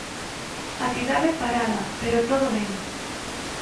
A cidade parada, pero todo ben.